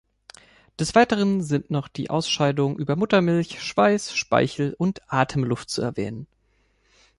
Des Weiteren sind noch die Ausscheidung über Muttermilch, Schweiß, Speichel und Atemluft zu erwähnen.